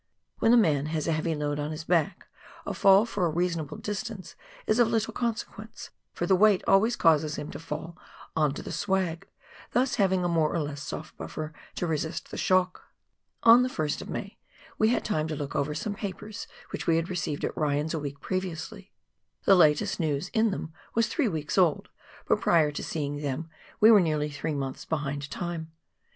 When a man has a heavy load on his back, a fall for a reasonable dis tance is of little consequence, for the weight always causes him to fall on the " swag," thus having a more or less soft buffer to resist the shock. On the 1st of May, we had time to look over some papers which we had received at Ryan's a week previously ; the latest news in them was three weeks old, but prior to seeing them, we were nearly three months behind time.